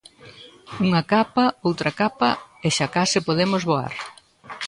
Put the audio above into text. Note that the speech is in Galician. Unha capa, outra capa e xa case podemos voar.